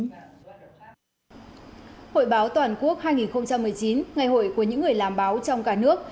hội báo toàn quốc hai nghìn một mươi chín ngày hội của những người làm báo trong cả nước